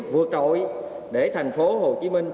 vượt trội để thành phố hồ chí minh